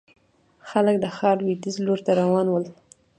خلک د ښار لوېديځ لور ته روان ول.